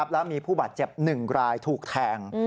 แล้วมีผู้บาดเจ็บ๑รายถูกแทง